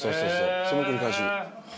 その繰り返し。